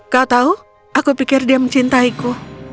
kau tahu aku pikir dia mencintaiku